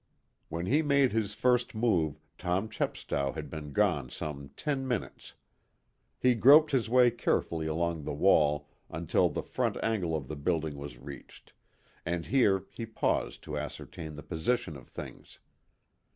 When he made his first move Tom Chepstow had been gone some ten minutes. He groped his way carefully along the wall until the front angle of the building was reached, and here he paused to ascertain the position of things.